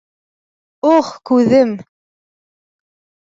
Ох, күҙем!